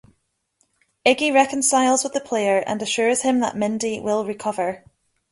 Iggy reconciles with the player and assures him that Mindy will recover.